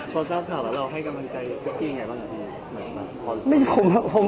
พอเจ้าถามแล้วเราให้กำลังใจยังไงบ้าง